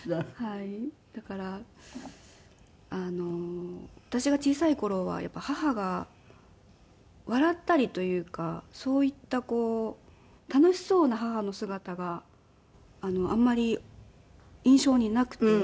だから私が小さい頃は母が笑ったりというかそういった楽しそうな母の姿があんまり印象になくて。